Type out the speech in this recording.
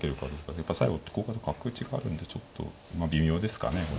やっぱ最後ここで角打ちがあるんでちょっと微妙ですかねこれ。